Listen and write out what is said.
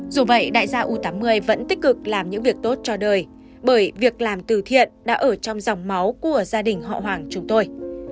dù vậy đại gia u tám mươi vẫn tích cực làm những việc tốt cho đời bởi việc làm từ thiện đã ở trong dòng máu của gia đình họ hoàng chúng tôi